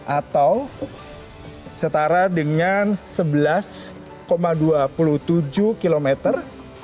atau setara dengan sebelas dua puluh tujuh kilometer